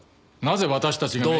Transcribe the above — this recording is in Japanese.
なぜ私たちが姪を。